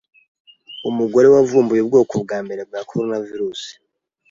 Umugore wavumbuye ubwoko bwa mbere bwa coronavirus